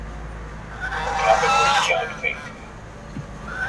Her topic was Beyond Fate.